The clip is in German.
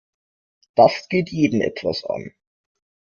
Das geht jeden etwas an.